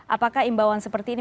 apakah imbauan seperti ini